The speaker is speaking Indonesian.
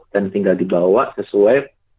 dan tinggal dibawa sesuai